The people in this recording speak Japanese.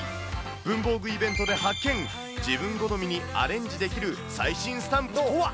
文房具イベントで発見、自分好みにアレンジできる最新スタンプとは？